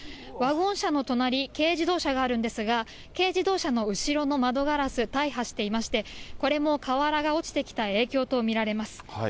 ワゴン車の隣、軽自動車があるんですが、軽自動車の後ろの窓ガラス、大破していまして、これも瓦が落ちてきた影響と見られます。